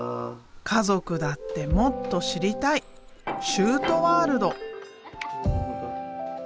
家族だってもっと知りたい修杜ワールド。